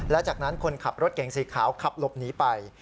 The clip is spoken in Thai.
และจากนั้นคนขับรถเก่งสีขาวขับหลบหนีไป